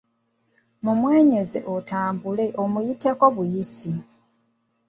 Mumwenyeze otambule omuyiteko buyisi.